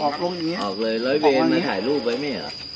ออร์เร